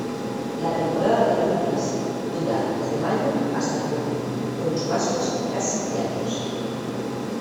La temporada de lluvias dura desde mayo hasta junio, con chubascos casi diarios.